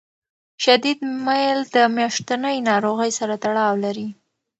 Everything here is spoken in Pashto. شدید میل د میاشتنۍ ناروغۍ سره تړاو لري.